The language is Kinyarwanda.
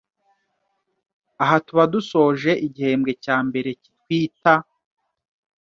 Aha tuba dusoje igihembwe cya mbere cy’itwita.